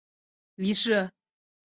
镰谷市是千叶县西北部的一市。